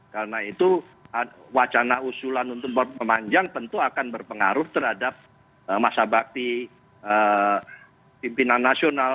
karena itu wacana usulan untuk memanjang tentu akan berpengaruh terhadap masa bakti pimpinan nasional